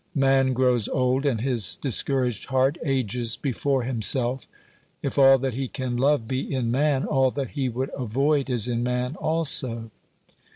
Man grows old, and his discouraged heart ages before himself. If all that he can love be in man, all that he would avoid is in man also.